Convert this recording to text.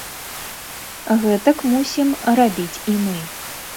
Гэтак мусім рабіць і мы.